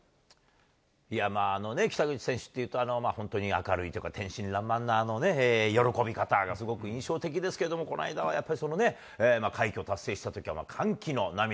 北口選手っていうと、本当に明るいというか、天真らんまんな、あの喜び方がすごく印象的ですけども、この間はやっぱり、そのね、快挙達成したときは歓喜の涙。